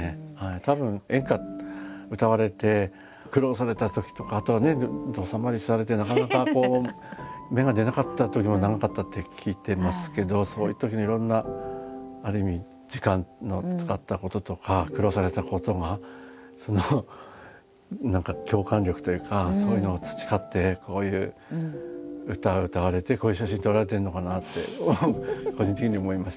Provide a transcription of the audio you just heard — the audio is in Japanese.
たぶん演歌歌われて苦労されたときとかあとはねドサ回りされてなかなかこう芽が出なかったときも長かったって聞いてますけどそういうときのいろんなある意味時間を使ったこととか苦労をされたことがその何か共感力というかそういうのを培ってこういう歌を歌われてこういう写真撮られてるのかなって個人的に思いました。